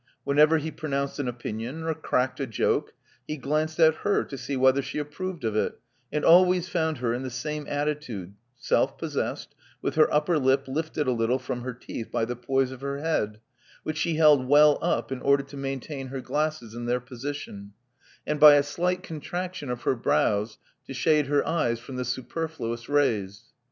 Whenever he pronounced an opinion, or cracked a joke, he glanced at her to see whether she approved of it, and always found her in the same attitude, self possessed, with her upper lip lifted a little from her teeth by the poise of her head, which she held well up in order to maintain her glasses in their position ; Love Among the Artists 279 and by a slight contraction of her brows to shade her eyes from the superfliious rays.